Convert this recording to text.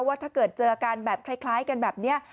ว่าถ้าเกิดเจออาการแบบคล้ายกันแบบนี้